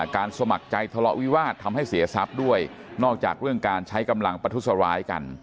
สมัครใจทะเลาะวิวาสทำให้เสียทรัพย์ด้วยนอกจากเรื่องการใช้กำลังประทุษร้ายกัน